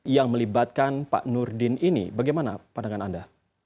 yang melibatkan pak nurdin ini bagaimana pandangan anda